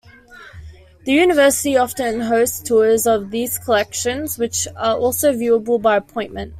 The university often hosts tours of these collections which are also viewable by appointment.